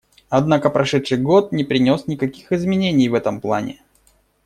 Однако прошедший год не принес никаких изменений в этом плане.